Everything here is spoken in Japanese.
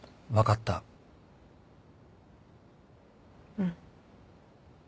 うん。